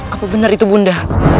apa benar itu bunda